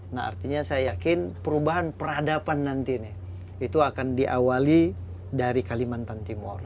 nah artinya saya yakin perubahan peradaban nanti nih itu akan diawali dari kalimantan timur